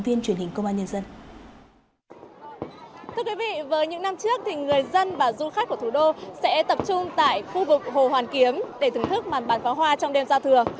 tại khu vực hồ hoàn kiếm để thưởng thức màn bàn pháo hoa trong đêm giao thừa